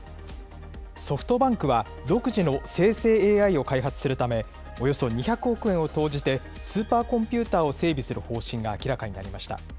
ソフトバンクは独自の生成ＡＩを開発するため、およそ２００億円を投じて、スーパーコンピューターを整備する方針が明らかになりました。